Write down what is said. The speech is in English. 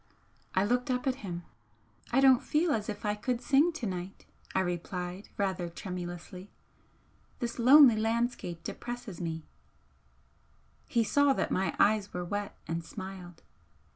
I looked up at him. "I don't feel as if I could sing to night," I replied, rather tremulously "This lonely landscape depresses me " He saw that my eyes were wet, and smiled.